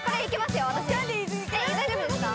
大丈夫ですか？